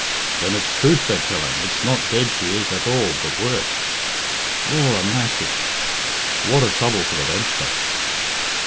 "Then it's truth they're telling it's not dead she is at all, but worse." "Lor a massy!" "What a trouble for the Dempster!"